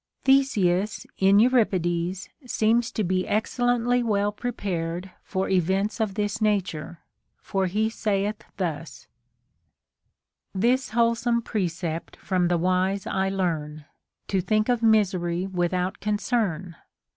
Theseus in Euripides seems to be excel lently well prepared for events of this nature, for he saith thus :— This wholesome precept from the wise I learn, To thhik 'of misery without concern.